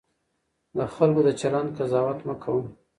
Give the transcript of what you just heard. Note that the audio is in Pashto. د خلکو د چلند قضاوت مه کوه.